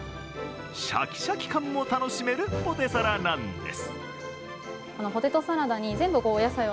シャキシャキ感も楽しめるポテサラなんです。